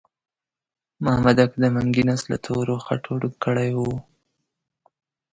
مامدک د منګي نس له تورو خټو ډک کړی وو.